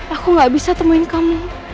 aku gak bisa temuin kamu